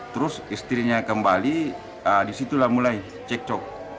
terus istrinya kembali disitulah mulai cekcok